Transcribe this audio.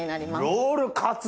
ロールカツ！